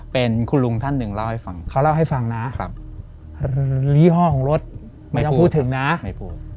เป็นคุณลุงท่านหนึ่งเล่าให้ฟังเขาเล่าให้ฟังนะครับยี่ห้อของรถไม่ต้องพูดถึงนะไม่พูด